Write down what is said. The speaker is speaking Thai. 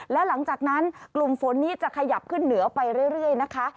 และหลังจากนั้นกลุ่มฝนนี้จะขยับขึ้นเหนือไปเรื่อยนะคะ